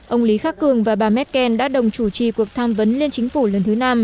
ông lý khắc cường và bà merkel đã đồng chủ trì cuộc tham vấn lên chính phủ lần thứ năm